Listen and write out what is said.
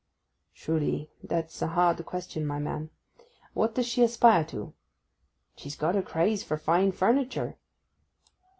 'Truly, that's a hard question, my man. What does she aspire to?' 'She's got a craze for fine furniture.